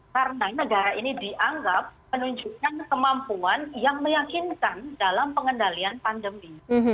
karena negara ini dianggap menunjukkan kemampuan yang meyakinkan dalam pengendalian pandemi